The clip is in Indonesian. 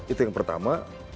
itu yang pertama